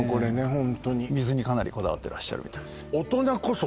ホントに水にかなりこだわってらっしゃるみたいですいや